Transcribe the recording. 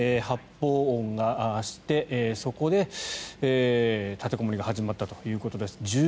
発砲音がしてそこで立てこもりが始まったということです。